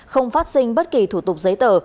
không phát sinh bất kỳ thủ tục giấy tờ